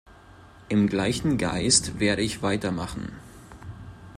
Im gleichen Geist werde ich weitermachen.